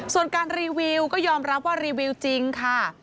ส่วนการรีวิวก็ยอมรับว่ารีวิวจริงค่ะ